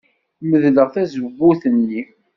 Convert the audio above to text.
Medleɣ tazewwut-nni.